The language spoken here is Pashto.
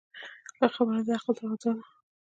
ښه خبره عقل ته غذا ده.